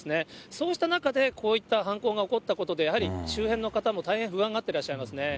そうした中で、こういった犯行が起こったことで、やはり周辺の方も大変不安がってらっしゃいますね。